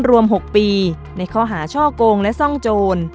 รวม๖ปีในข้อหาช่อกงและซ่องโจร